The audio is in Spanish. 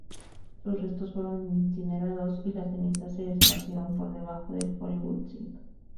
Sus restos fueron incinerados, y las cenizas se esparcieron por debajo del Hollywood Sign.